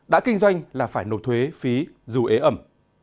đã kinh doanh là phải nộp thuế phí dù ế ẩm